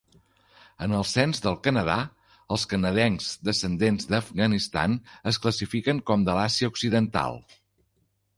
En el cens del Canadà, els canadencs descendents d'Afganistan es classifiquen com de l'Àsia Occidental.